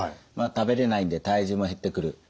食べれないので体重も減ってくる。